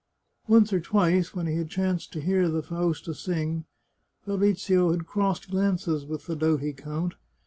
Once or twice, when he had chanced to hear the Fausta sing, Fabrizio had crossed g lances with the doughty count.